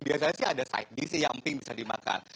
biasanya sih ada side dish ya mping bisa dimakan